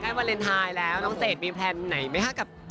วาเลนไทยแล้วน้องเศษมีแพลนไหนไหมคะกับ